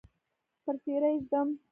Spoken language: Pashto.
پر څیره یې ږدم